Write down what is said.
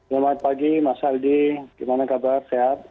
selamat pagi mas aldi gimana kabar sehat